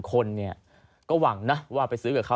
คนเนี่ยก็หวังนะว่าไปซื้อกับเขา